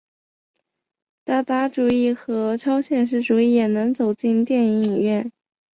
达达主义和超现实主义也能走进电影院。